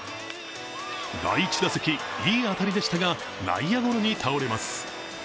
第１打席、いい当たりでしたが内野ゴロに倒れます。